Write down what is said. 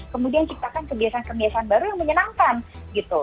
kemudian ciptakan kebiasaan kebiasaan baru yang menyenangkan gitu